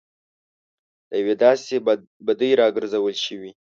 له یوې داسې بدۍ راګرځول شوي.